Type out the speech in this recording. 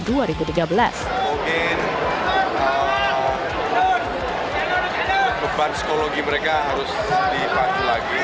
mungkin beban psikologi mereka harus dipacu lagi